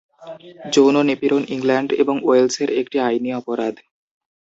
যৌন নিপীড়ন ইংল্যান্ড এবং ওয়েলসের একটি আইনি অপরাধ।